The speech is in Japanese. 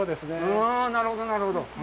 なるほど、なるほど。